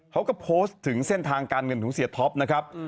เขาก็โพสต์ถึงเส้นทางการเงินของเสียท็อปนะครับ